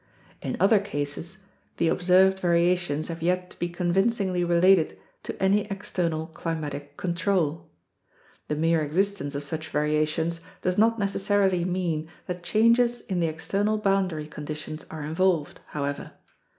In other cases, the observed varia tions have yet to be convincingly related to any external climatic control. The mere existence of such variations does not necessarily mean that changes in the external boundary conditions are involved, however.